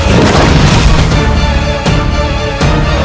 alah hebat aduh